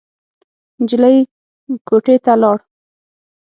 نجلۍ کوټې ته لاړ.